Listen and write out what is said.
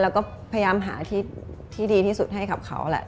แล้วก็พยายามหาที่ดีที่สุดให้กับเขาแหละ